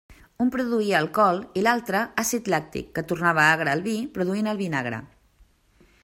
Un produïa alcohol i l'altre, àcid làctic que tornava agre el vi produint el vinagre.